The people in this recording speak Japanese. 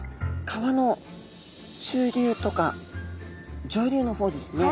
川の中流とか上流の方ですね。